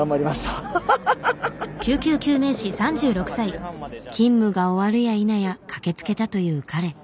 すいません勤務が終わるやいなや駆けつけたという彼。